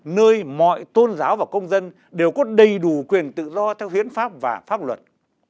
nơi mọi tôn giáo và công dân đều có đầy đủ quyền tự do theo huyến pháp và pháp luật